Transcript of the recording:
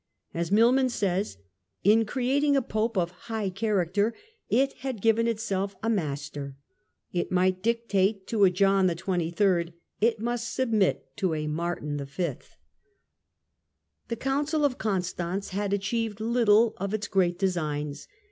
As Milman says : "In creating a Pope of high character it had given itself a master. It might dictate to a John XXIII. , it must submit to a Martin V." EMPIRE AND PAPACY, 1414 1453 163 The Council of Constance had achieved httle of its great designs.